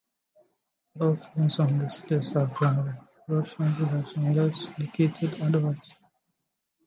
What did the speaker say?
All films on this list are from Russian production unless indicated otherwise.